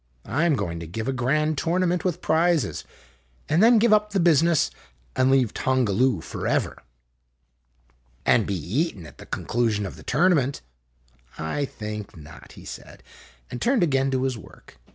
" I 'm going to give a grand tournament with prizes, and then give up the business and leave Tongaloo forever." 26 IMAGINOTIONS "And be eaten at the conclusion of the tournament!" " I think not," he said, and turned again to his work.